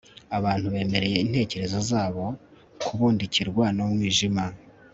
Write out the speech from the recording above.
Abantu bemereye intekerezo zabo kubundikirwa numwijima